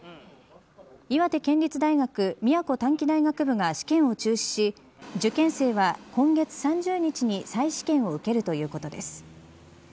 岩手県立大学宮古短期大学部が試験を中止し、受験生は今月３０日に再試験を受けるということです。